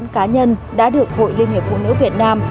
một mươi bốn cá nhân đã được hội liên hiệp phụ nữ việt nam